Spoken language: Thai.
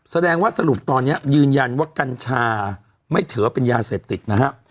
สรุปว่าสรุปตอนนี้ยืนยันว่ากัญชาไม่ถือว่าเป็นยาเสพติดนะฮะ